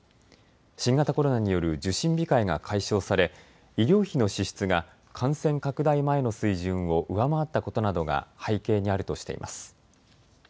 新型コロナによる受診控えが解消され医療費の支出が感染拡大前の水準を上回ったことなどが背景にあるとしています。